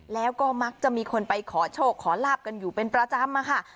แล้วก็มักจะมีคนไปขอโชคขอลาบกันอยู่เป็นประจำอะค่ะ